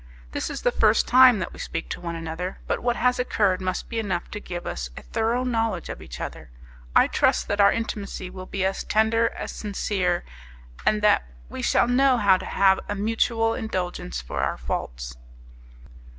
This is the first time that we speak to one another, but what has occurred must be enough to give us a thorough knowledge of each other. I trust that our intimacy will be as tender as sincere, and that we shall know how to have a mutual indulgence for our faults."